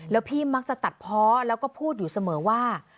แล้วพี่มักจะตัดเพาะแล้วก็พูดอยู่เสมอว่า